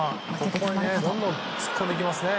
ここにどんどん突っ込んできますね。